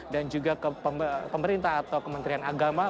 dan juga pemerintah atau kementerian agama